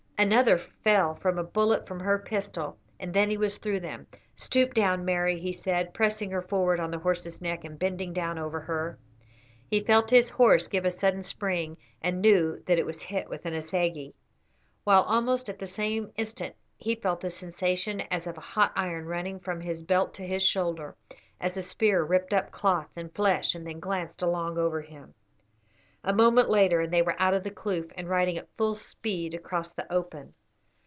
Another fell from a bullet from her pistol, and then he was through them. "Stoop down, Mary," he said, pressing her forward on the horse's neck and bending down over her. He felt his horse give a sudden spring, and knew that it was hit with an assegai; while almost at the same instant he felt a sensation as of a hot iron running from his belt to his shoulder, as a spear ripped up cloth and flesh and then glanced along over him. A moment later and they were out of the kloof, and riding at full speed across the open.